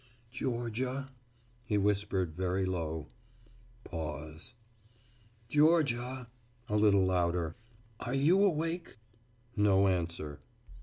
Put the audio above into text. "Georgia," he whispered very low. Pause. "Georgia," a little louder, "are you awake?" No answer.